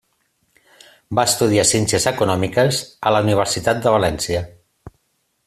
Va estudiar ciències econòmiques a la Universitat de València.